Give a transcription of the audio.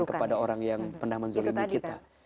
kepada orang yang pernah menzolimi kita